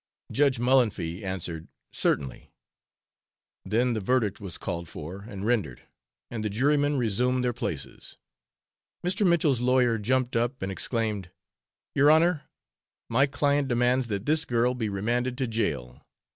Judge Mullanphy answered "Certainly!" Then the verdict was called for and rendered, and the jurymen resumed their places. Mr. Mitchell's lawyer jumped up and exclaimed: "Your Honor, my client demands that this girl be remanded to jail.